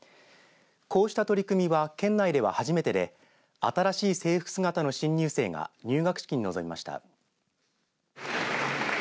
こうした取り組みは県内では初めてで新しい制服姿の新入生が入学式に臨みました。